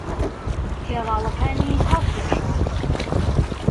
پێڵاوەکانی هەڵکێشا.